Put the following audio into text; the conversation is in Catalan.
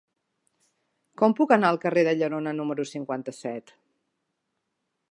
Com puc anar al carrer de Llerona número cinquanta-set?